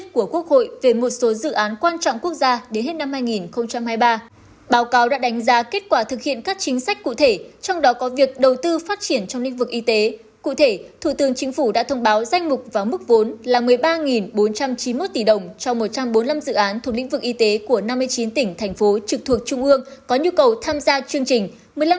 một mươi ba bốn trăm chín mươi một tỷ đồng cho một trăm bốn mươi năm dự án thuộc lĩnh vực y tế của năm mươi chín tỉnh thành phố trực thuộc trung ương có nhu cầu tham gia chương trình